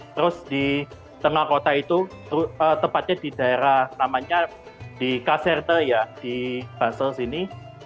terus di tengah kota itu tepatnya di daerah namanya di kaserte ya di basel sini